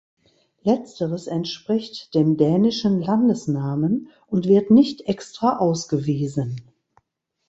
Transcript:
Letzteres entspricht dem dänischen Landesnamen und wird nicht extra ausgewiesen.